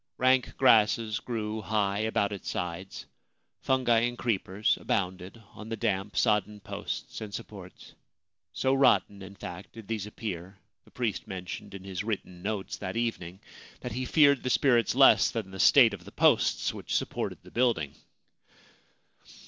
Rank grasses grew high about its sides ; fungi and creepers abounded upon the damp, sodden posts and supports ; so rotten, in fact, did these appear, the priest mentioned in his written notes that evening that he feared the spirits less than the state of the posts which supported the building.